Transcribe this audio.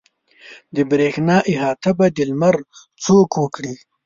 د برېښنا احاطه به د لمر څوک وکړي.